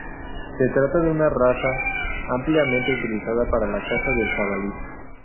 Se trata de una raza ampliamente utilizada para la caza del jabalí.